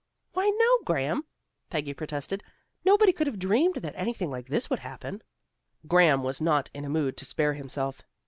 "Why, no, Graham," Peggy protested. "Nobody could have dreamed that anything like this would happen." Graham was not in a mood to spare himself.